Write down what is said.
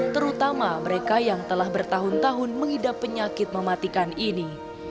terutama mereka yang telah bertahun tahun mengidap penyakit mematikan ini